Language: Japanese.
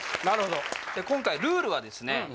なるほど今回ルールはですね